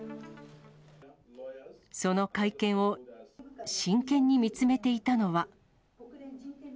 その会見を真剣に見つめていたのは。